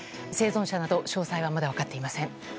生存者など詳細はまだ分かっていません。